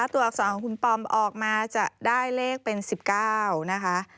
อักษรของคุณปอมออกมาจะได้เลขเป็น๑๙นะคะ